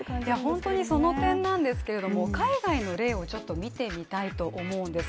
本当にその点なんですけれども海外の例を見てみたいと思うんです。